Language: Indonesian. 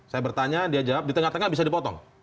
saya bertanya dia jawab di tengah tengah bisa dipotong